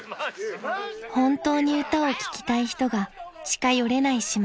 ［本当に歌を聴きたい人が近寄れない始末］